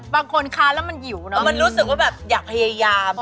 บางคนค้านแล้วมันหิวนะมันรู้สึกว่าแบบอยากพยายาม